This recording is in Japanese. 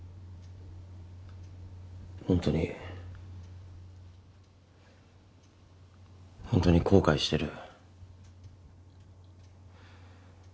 本当に本当に後悔してる。